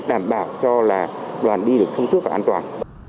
đảm bảo cho là đoàn đi được thông suốt và an toàn